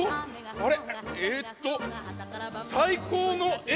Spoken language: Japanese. あれ？